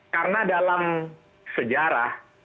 karena dalam sejarah